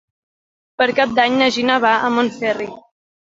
Per Cap d'Any na Gina va a Montferri.